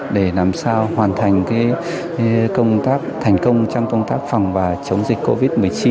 để làm sao hoàn thành công tác thành công trong công tác phòng và chống dịch covid một mươi chín